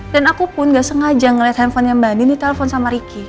dan aku pun gak sengaja ngeliat handphonenya mbak andin di telpon sama riki